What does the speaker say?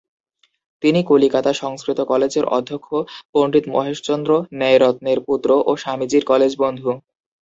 তিনি কলিকাতা সংস্কৃত কলেজের অধ্যক্ষ পণ্ডিত মহেশচন্দ্র ন্যায়রত্নের পুত্র ও স্বামীজীর কলেজ-বন্ধু।